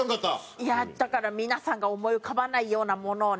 いやだから皆さんが思い浮かばないようなものをね